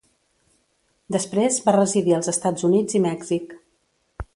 Després va residir als Estats Units i Mèxic.